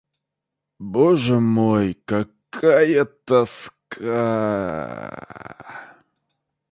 Боже мой, какая тоска!